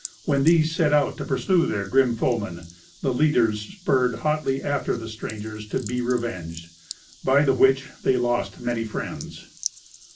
When these set out to pursue their grim foemen, the leaders spurred hotly after the strangers, to be revenged. By the which they lost many friends.